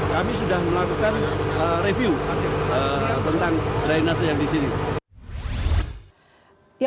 kami sudah melakukan review tentang drainase yang di sini